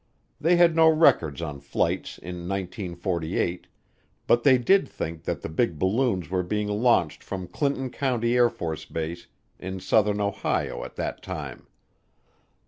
They had no records on flights in 1948 but they did think that the big balloons were being launched from Clinton County AFB in southern Ohio at that time.